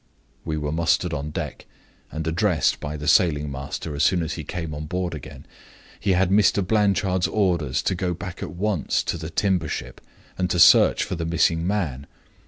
"We were mustered on deck, and addressed by the sailing master as soon as he came on board again. He had Mr. Blanchard's orders to go back at once to the timber ship and to search for the missing man.